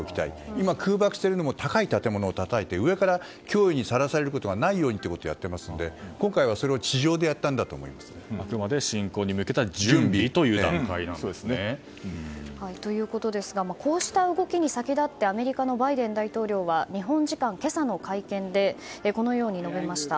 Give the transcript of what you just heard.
今、空爆しているのも高い建物をたたいて上から脅威にさらされることがないようにとやってますので今回はそれをあくまで侵攻に向けた準備という段階なんですね。ということですがこうした動きに先立ちアメリカのバイデン大統領は日本時間今朝の会見でこのように述べました。